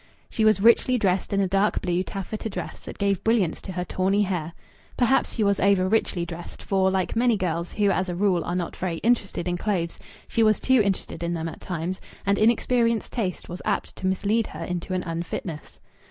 She was richly dressed in a dark blue taffeta dress that gave brilliance to her tawny hair. Perhaps she was over richly dressed, for, like many girls who as a rule are not very interested in clothes, she was too interested in them at times, and inexperienced taste was apt to mislead her into an unfitness.